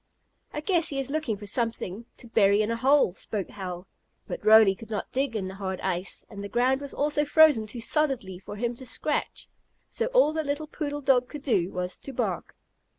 "I guess he is looking for something to bury in a hole," spoke Hal. But Roly could not dig in the hard ice, and the ground was also frozen too solidly for him to scratch. So all the little poodle dog could do was to bark.